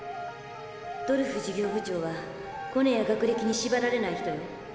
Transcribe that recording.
ドルフ事業部長はコネや学歴にしばられない人よ。